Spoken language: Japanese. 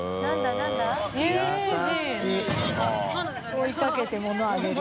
追いかけて物あげる。